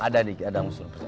ada di dalamnya